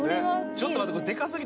ちょっと待って。